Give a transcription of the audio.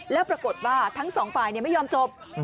แล้วปรากฏว่าทั้งสองฝ่ายไม่ยอมจบ